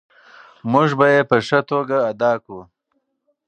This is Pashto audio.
موږ به یې په ښه توګه ادا کړو.